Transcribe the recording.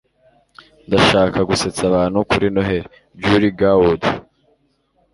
ndashaka gusetsa abantu kuri noheli. - julie garwood